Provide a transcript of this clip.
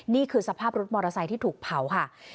นี่คือสภาพรถมอเตอร์ไซค์ที่ถูกเผาค่ะ